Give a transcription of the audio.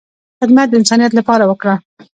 خدمت د انسانیت لپاره وکړه،